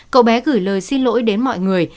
cậu bé gửi lời xin lỗi đến mọi người